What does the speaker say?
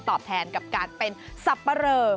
แทนกับการเป็นสับปะเรอ